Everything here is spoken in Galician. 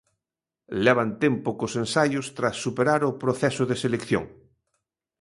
Levan tempo cos ensaios tras superar o proceso de selección.